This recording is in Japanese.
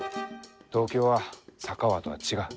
東京は佐川とは違う。